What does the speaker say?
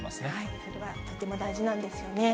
それはとても大事なんですよね。